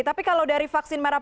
tapi kalau dari vaksin merah putih